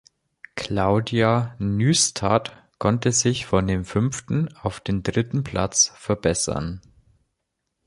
Claudia Nystad konnte sich auf vom fünften auf den dritten Platz verbessern.